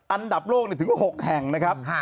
อันดับโลกถึง๖แห่งนะครับ